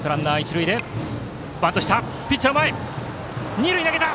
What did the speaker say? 二塁へ投げた！